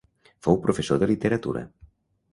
Fou professor de literatura.